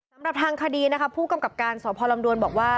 สำหรับทางคดีนะคะผู้กำกับการสพลำดวนบอกว่า